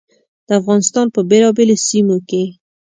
د افغانستان په بېلابېلو سیمو کې.